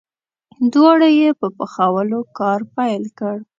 دواړو یې په پخولو کار پیل کړ.